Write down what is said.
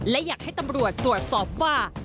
และอยากให้ตำรวจตรวจสอบว่า